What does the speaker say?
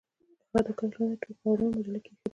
هغې د کوچ لاندې ټول کاغذونه او مجلې کیښودې